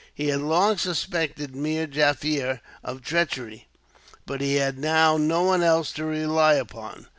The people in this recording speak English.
He had long suspected Meer Jaffier of treachery, but he had now no one else to rely upon.